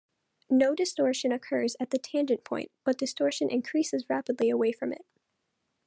No distortion occurs at the tangent point, but distortion increases rapidly away from it.